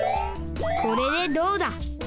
これでどうだ。